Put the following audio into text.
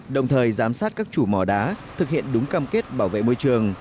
đồng thời giám sát các chủ mỏ đá thực hiện đúng cam kết bảo vệ môi trường